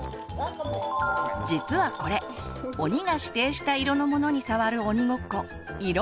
実はこれ鬼が指定した色のものに触る鬼ごっこ